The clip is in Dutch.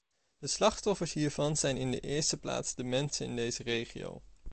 De slachtoffers hiervan zijn in de eerste plaats de mensen in deze regio.